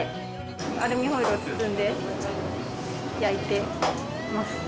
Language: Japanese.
アルミホイルを包んで焼いてます。